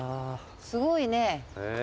すごいね。